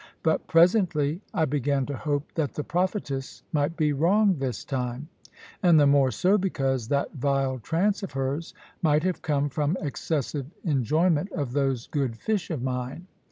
But presently I began to hope that the prophetess might be wrong this time; and the more so because that vile trance of hers might have come from excessive enjoyment of those good fish of mine.